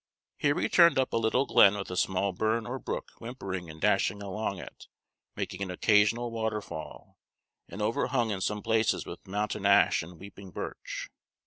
Here we turned up a little glen with a small burn or brook whimpering and dashing along it, making an occasional waterfall, and overhung in some places with mountain ash and weeping birch.